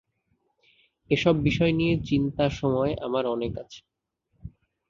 এসব বিষয় নিয়ে চিন্তা সময় আমার অনেক আছে।